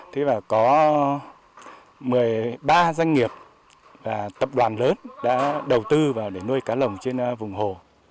thế và có một mươi ba doanh nghiệp tập đoàn lớn đã đầu tư vào để nuôi cá lồng trên vùng hồ